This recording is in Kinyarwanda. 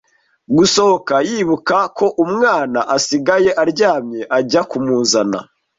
gusohoka yibuka ko umwana asigaye aryamye ajya kumuzana